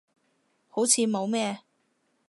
好似冇咩